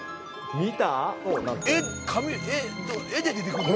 見た。